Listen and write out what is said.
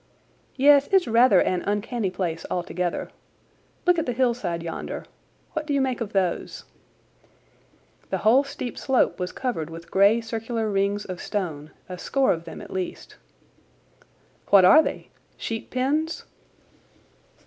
"Yes, it's rather an uncanny place altogether. Look at the hillside yonder. What do you make of those?" The whole steep slope was covered with grey circular rings of stone, a score of them at least. "What are they? Sheep pens?"